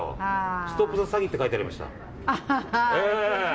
ストップ・ザ・詐欺って書いてありました。